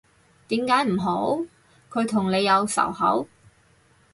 點解唔好，佢同你有仇口？